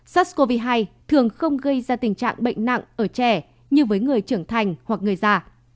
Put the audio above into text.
sars cov hai thường không gây ra tình trạng bệnh nặng ở trẻ như với người trưởng thành hoặc người già